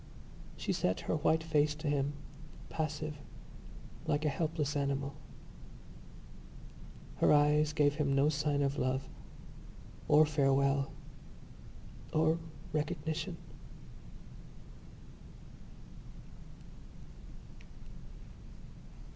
She set her white face to him, passive, like a helpless animal. Her eyes gave him no sign of love or farewell or recognition.